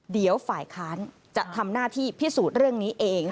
เดี๋ยวฝ่ายค้านจะทำหน้าที่พิสูจน์เรื่องนี้เอง